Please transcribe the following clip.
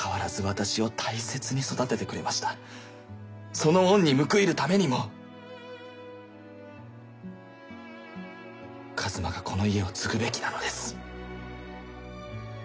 その恩に報いるためにも一馬がこの家を継ぐべきなのです。